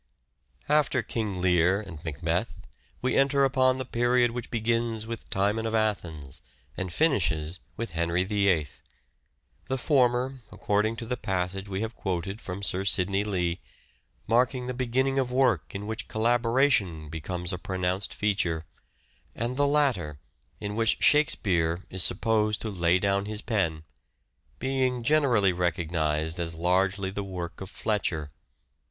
After " King Lear " and " Macbeth " we enter upon The last the period which begins with " Timon of Athens " and finishes with " Henry VIII ": the former, according to the passage we have quoted from Sir Sidney Lee, marking the beginning of work in which " collaboration " becomes a pronounced feature, and the latter, in which " Shakespeare " is supposed to lay down his pen, being generally recognized as largely the work of Fletcher.